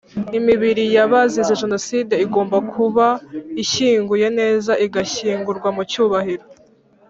Imibiri yabazize genoside igomba kuba ishyinguye neza igashyingurwa mu cyubahiro